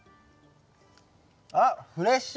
あっフレッシュ！